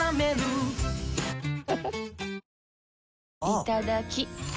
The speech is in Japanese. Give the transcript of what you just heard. いただきっ！